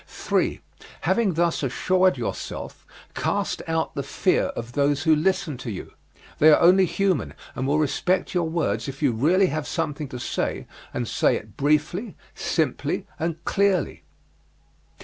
3. Having thus assured yourself, cast out the fear of those who listen to you they are only human and will respect your words if you really have something to say and say it briefly, simply, and clearly.